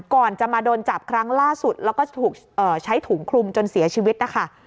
ก่อนจะมาโดนจับครั้งล่าสุดแล้วก็ถูกใช้ถุงคลุมจนเสียชีวิตนะคะ